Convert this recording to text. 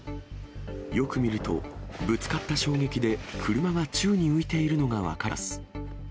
よく見ると、ぶつかった衝撃で、車が宙に浮いているのが分かります。